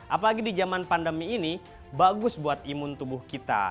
apalagi di zaman pandemi ini bagus buat imun tubuh kita